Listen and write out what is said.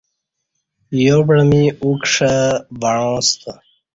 یوپعمی اُکݜے وعاں ستہ